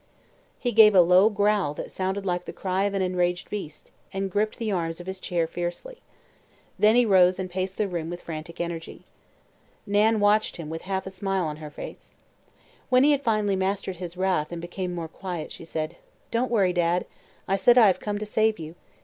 He gave a low growl that sounded like the cry of an enraged beast, and gripped the arms of his chair fiercely. Then he rose and paced the room with frantic energy. Nan watched him with a half smile on her face. When he had finally mastered his wrath and became more quiet she said: "Don't worry, Dad. I said I have come to save you.